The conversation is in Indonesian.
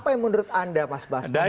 apa yang menurut anda mas basman